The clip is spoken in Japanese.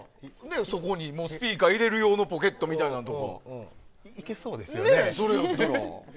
そこにスピーカー入れる用のポケットとか。いけそうですよね。